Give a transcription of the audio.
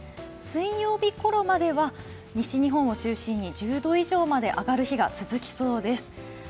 水曜日頃までは西日本を中心に１０度くらいまで上がる日がありそうです。